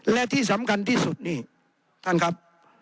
และที่สำคัญที่สุดนี่ท่านครับ